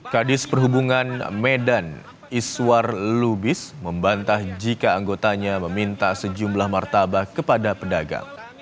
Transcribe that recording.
kadis perhubungan medan iswar lubis membantah jika anggotanya meminta sejumlah martabak kepada pedagang